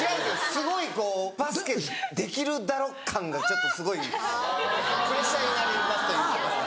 すごいこうバスケできるだろ感がちょっとすごいプレッシャーになりますといいますか。